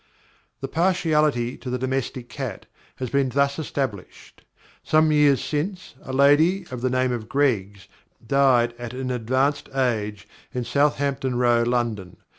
"The Partiality to the domestic Cat, has been thus established. Some Years since, a Lady of the name of Greggs, died at an advanced Age, in Southampton Row, London.